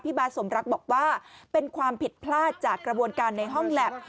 บาทสมรักบอกว่าเป็นความผิดพลาดจากกระบวนการในห้องแล็บ